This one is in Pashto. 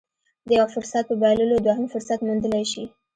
د يوه فرصت په بايللو دوهم فرصت موندلی شي.